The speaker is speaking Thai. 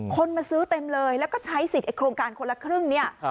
คนมาซื้อเต็มเลยแล้วก็ใช้สิทธิ์โครงการคนละครึ่งเนี่ย